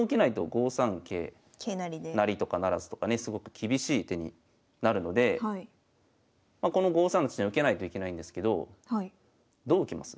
５三桂成とか不成とかねすごく厳しい手になるのでこの５三の地点受けないといけないんですけどどう受けます？